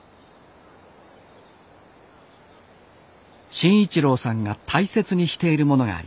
慎一郎さんが大切にしているものがあります。